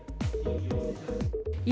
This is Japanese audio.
今、